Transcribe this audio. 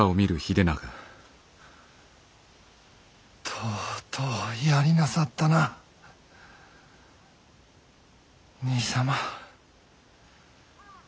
とうとうやりなさったな兄様。